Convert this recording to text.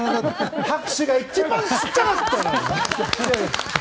拍手が一番小っちゃかった！